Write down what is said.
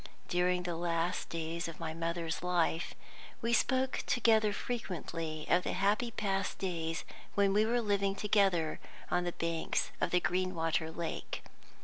During the last days of my mother's life we spoke together frequently of the happy past days when we were living together on the banks of the Greenwater lake.